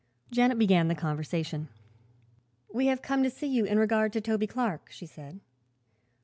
Janet began the conversation. "We have come to see you in regard to Toby Clark," she said.